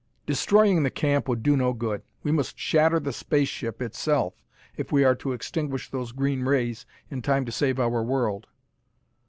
"Destroying the camp would do no good. We must shatter the space ship itself if we are to extinguish those green rays in time to save our world."